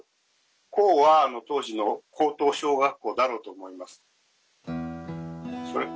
「高」は当時の高等小学校だろうと思います。